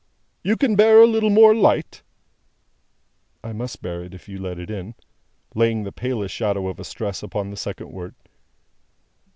"You can bear a little more light?" "I must bear it, if you let it in." (Laying the palest shadow of a stress upon the second word.)